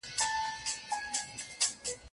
زه به اوس دا توري سترګي په کوم ښار کي بدلومه